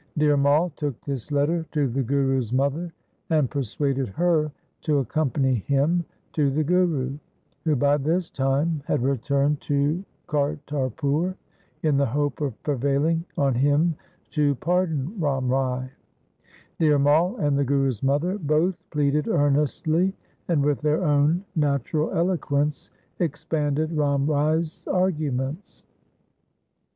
Dhir Mai took this letter to the Guru's mother and persuaded her to accompany him to the Guru, who by this time had returned to Kartarpur, in the hope of prevailing on him to pardon Ram Rai. Dhir Mai and the Guru's mother both pleaded earnestly and with their own natural eloquence expanded Ram Rai's arguments.